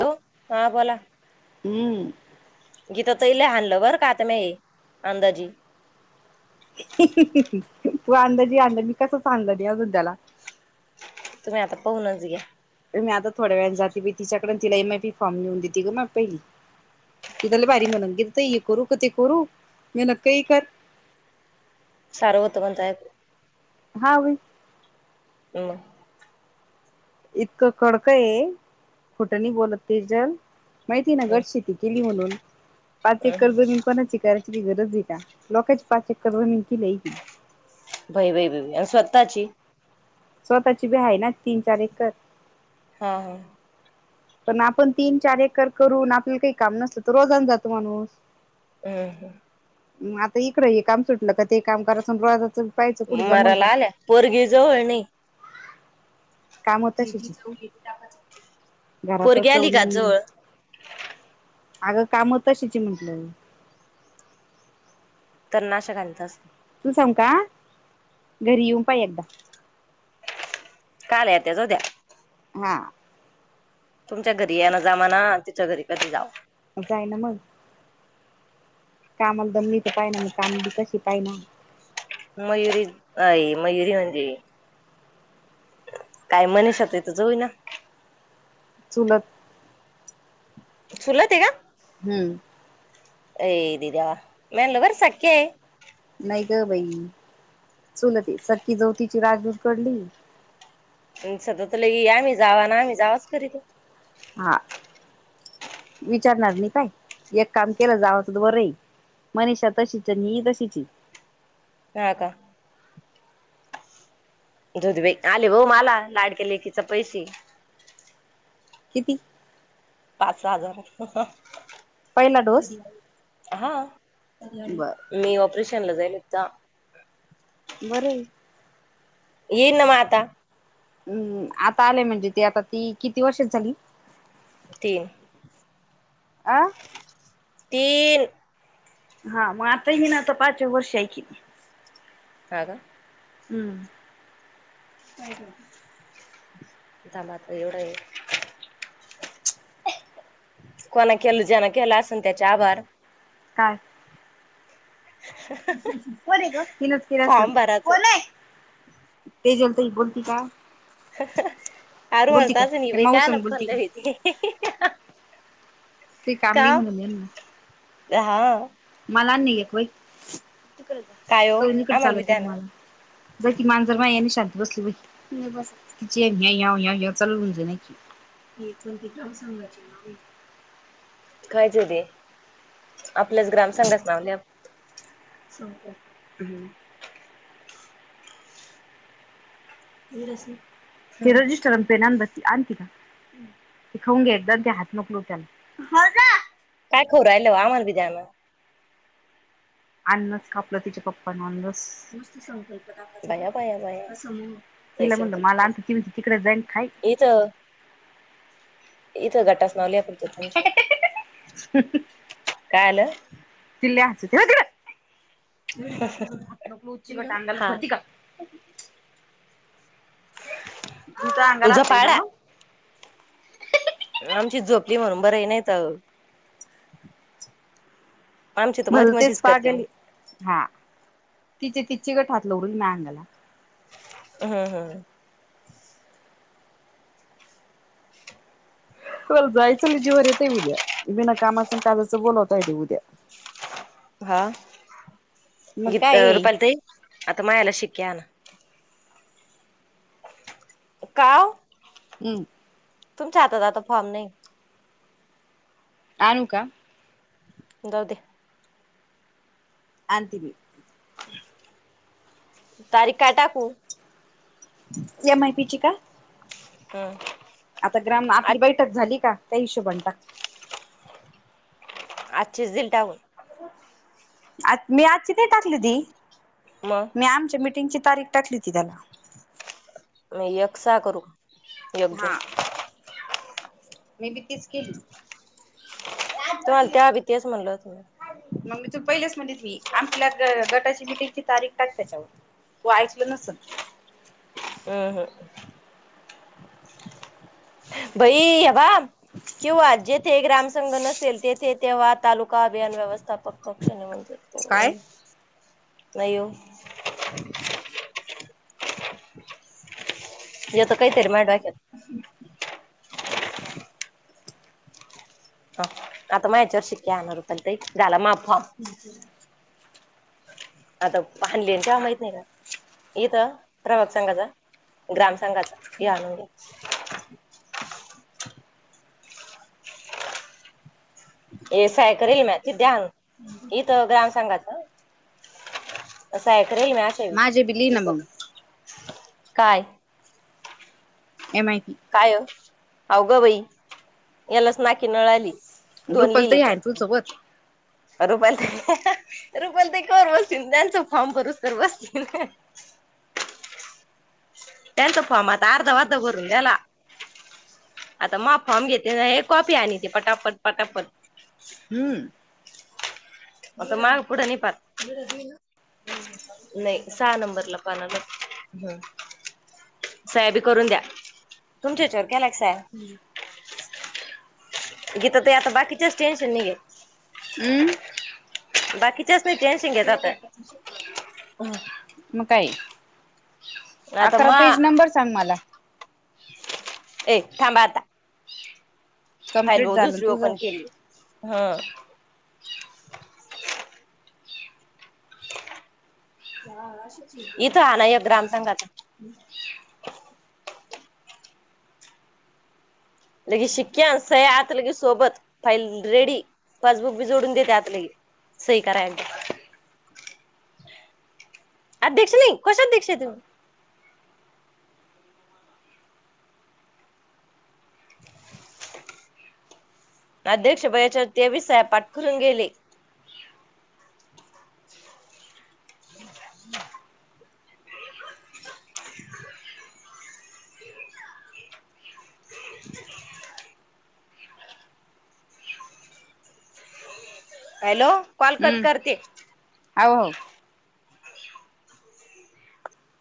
Hello, हा बोला हम्म. गीता तईले हाणलं बर का, [unintelligible] अंदाजी तू अंदाजे आणल, मी कसच आणल नई अजून त्याला तुम्ही आता पाहूनच घ्या. मी आता थोड्या वेळन जाती बई तिच्याकड, अन तिला एम ए पी फॉर्म लिहून देती ग मग पहिली ती [unintelligible] भारी म्हणून दिलत, हे करू का, ते करू, मी म्हणल काही कर सारवतो म्हणतायेत हा वई [unintelligible] इतकं कडक आये, खोट नई बोलत तेजल माहिती ना हम्म गट शेती केली म्हणून, पाच हम्म एकर जमीन कोणाची कर [unintelligible] गरज ये का? लोकची पाच एकर जमीन किली आहे ती बई बई बई बई आणि स्वतःची? स्वतः ची बी आहे ना तीन चार एकर हा हा. पण आपण तीन चार एकर करून, आपल्याला काही काम नसल तर रोजान जातो माणूस अ ह. म आता इकडं हे काम सुटलं का, ते काम कराच अन रोजाच मराला आल्या, पोरगी जवळ नई. काम तशीची [unintelligible] घरात पोरगी आली चवणे का जवळ? अगं काम तशीच ये म्हटलं. [unintelligible] तू सांगू का, घरी येऊन पाही एकदा काल आय त्या जाऊद्या हा. तुमच्या घरी येन जमना, तिच्या घरी कधी जाव जाय ना मग कामाला दम [unintelligible] पायना, [unintelligible] काम बी कशी पायना मयुरी आहे, मयुरी म्हणजे [unintelligible] चुलत. चुलत आहे का? हम्म. [unintelligible] नाही ग बाई. चुलतय सख्खी जाव तिची रागीट पडली. सध्या तर लई आम्ही जावा आम्ही जावा करित हा. विचारणार नाही काय एक काम केलं जावच तर बरंय. मनिषा तशीचे ही ही तशीचे. हा का? दुध बे आले हो माला लाडक्या लेकीचे पैसे. किती? पाच हजार. पहिला डोस हा बर मी ऑपरेशनला जाईले. जा. बरय. ये ना म आता. हम्म आता आलेय म्हणजे ती आता ती किती वर्षाची झाली? तीन. आं.. तीन... हा मग आता ही ना त आता पाचव वर्ष हाय की. ह का. हम्म. थांब आता ऐवढय. कोणा केलं ज्यान केलं असन त्याचे आभार. काय? [unintelligible] कोण आहे ग तिनच केलं असंन फॉर्म भरायचं कोण ए तेजल ताई बोलते का. बोलती का ते माऊ संग बोलती का [unintelligible] का हा [unintelligible] काय ओ आम्हाला बी द्या ना [unintelligible] [unintelligible] [unintelligible] आपल्याच ग्राम संघाचा नाव लिहा फक्त. हम् [unintelligible] ते रजिस्टर आणि पेन आण बाई. आणते का ते खाऊन घे एकदा ते हात नको लाऊ त्याला काय खाऊ राहिलो आम्हाला बी द्या ना. अननस कापलं तिच्या पप्पा न आणल. मस्त संकल्पना बया बया बया. नाही तिला म्हणलं मला संकल्प आणता ती म्हणती तिकडे जाईन खाई इथं इथं गटाच नाव लिहा तुमच्या तुमच्या. हह काय आलं? लय हासते हो तिकड. हि हा हा. हात नको लावू चिगट अंगाला होती का. [unintelligible] तुमच्या अंगाला हात लावीन हा झोपाळा मंग. आमची झोपली म्हणून बर आहे नाही तर आमची तर मधी भलतेच मधीच करते मग पागल ये हा तिचे ती चिगट हात लावू राहिली, माया अंगाला ह ह जायचं ना जीवा वर येतय, उद्या बिना कामाचं कायचं बोलावता ते उद्या. हा मग काय ये रुपाली ताई आता मायाला शिक्के आणा. का व. हम् तुमच्या हातात आता फॉर्म नाही. आणु का जाऊ द्या. आणते मी तारीख काय टाकू. एम आय पी ची का. काय. आता ग्राम आपली बैठक झाली का त्या हिशोबान टाक आजचेच दिलता व आज मी आजचीच डेट टाकली होती मग मी आमच्या मिटिंगची तारीख टाकली होती त्याला एक सहा करू एक जून हा मी बी तीच केली. मग तुम्हाला मी तेव्हा बी तेच म्हणलं होत मी तूला पहिलेच म्हणली होती. मी आपल्या गटाची मिटिंगची तारीख टाक त्याच्यावर तू ऐकल नसल. ह हं. बई हे बघ क्यू आर जेत ते ग्राम संंघ नसेल, तेथे तेव्हा तालुका अभियान व्यवस्थापक कक्ष निवजू काय नाही ओ. येत काहीतरी माझ्या डोक्यात [unintelligible] हा आता माझ्या याच्यावर शिक्के आणा रुपाली ताई झाला माझा फॉर्म आता फाणली आणि त्या माहित नाही का इथं प्रभात संगाचा ग्राम संघाचा या नंत [unintelligible] इ एस आई करेल म्या ते द्या आणून इथ ग्राम संघात असं ऐकलं म्या अश्या माझे बी लिही ना मग वेळी काय एम आय पी काय ओ आव ग बाई यालाच नाकी नळ आली. दोन रुपल लिहिले तही आहे पण तुझसोबत रुपाली ताई रुपाली ताई कवर बसतील त्यांचं फॉर्म भरूस तवर बसतील. त्यांचा फॉर्म आता अर्धा अर्धा भरून झाला. आता मा फॉर्म घेतील ना हे कॉपी आणि ते पटापट पटापट हम. माग पुढ ने पार नाही सहा नंबरला पान आलं. सया बी करून दया केलोय की याच्यावर केलाय सया गीता ते आता बाकीचेच टेन्शन नाही आहे. हम्म बाकीच्याच नाही टेनशन घेत आता मग काय आता अकरा मा पेज नंबर सांग मला ए थांबा आता. फाईल कम्प्लीट ओ झालं दुसरी तुझं ओपन केली हं [inaudible] इथं आला या ग्राम संघाच लगेच शिक्के अन सया आत लगेच सोबत फाईल रेडी पासबुक बी जोडून देते आता लगे सही करायला. अध्यक्ष नाही कशी अध्यक्ष आहे तु [inaudible] अध्यक्ष वह्याच्या तेवीस सह्या पाटकरून गेले. [inaudible] [inaudible] [inaudible] हॅलो कॉल कट करते. आ हो